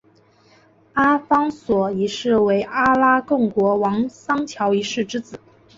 阿方索一世为阿拉贡国王桑乔一世之子。